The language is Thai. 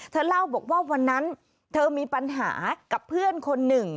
เธอเล่าบอกว่าวันนั้นเธอมีปัญหากับเพื่อนคนหนึ่ง